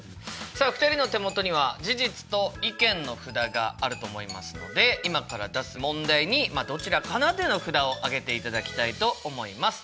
さあ２人の手元には事実と意見の札があると思いますので今から出す問題にまあどちらかなという札を上げていただきたいと思います。